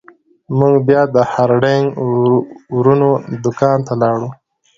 موږ بیا د هارډینګ ورونو دکان ته لاړو.